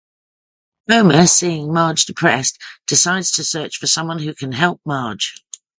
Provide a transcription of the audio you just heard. Homer, seeing Marge depressed, decides to search for someone who can help Marge.